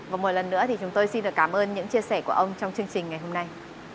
và một lần nữa thì chúng tôi xin được cảm ơn những chia sẻ của ông trong chương trình ngày hôm nay